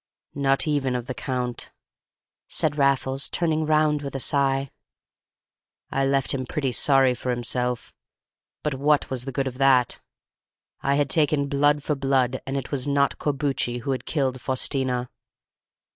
"Not even of the Count," said Raffles, turning round with a sigh. "I left him pretty sorry for himself; but what was the good of that? I had taken blood for blood, and it was not Corbucci who had killed Faustina.